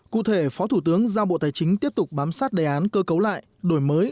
cụ thể phó thủ tướng giao bộ tài chính tiếp tục bám sát đề án cơ cấu lại đổi mới